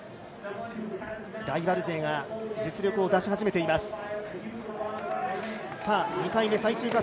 ライバル勢が実力を出し始めています。